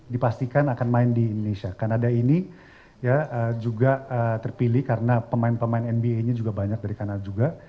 dipastikan akan main di indonesia kanada ini juga terpilih karena pemain pemain nba nya juga banyak dari kanada juga